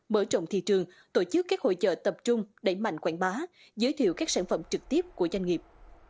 mở trọng thị trường tổ chức các hỗ trợ tập trung để mạnh quảng bá giới thiệu các sản phẩm trực tiếp của doanh nghiệp